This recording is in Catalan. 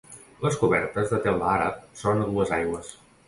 Les cobertes, de teula àrab, són a dues aigües.